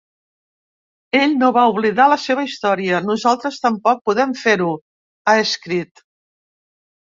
Ell no va oblidar la seva història; nosaltres tampoc podem fer-ho, ha escrit.